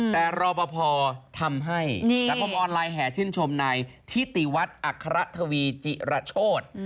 แต่รอปภทำให้สังคมออนไลน์แห่ชื่นชมในทิติวัฒน์อัครทวีจิระโชธ